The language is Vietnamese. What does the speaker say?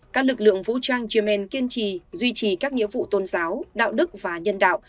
các lực lượng vũ trang yemen kiên trì duy trì các nghĩa vụ tôn giáo đạo đức và nhân đạo